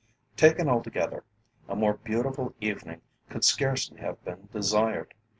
Taken altogether, a more beautiful evening could scarcely have been desired.